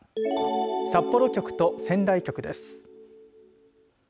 札幌局と仙台局です。